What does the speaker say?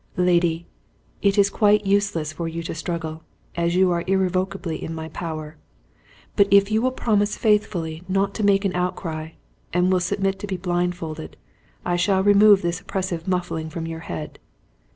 "Lady, it is quite useless for you to struggle, as you are irrevocably in my power, but if you will promise faithfully not to make any outcry, and will submit to be blindfolded, I shall remove this oppressive muffling from your head.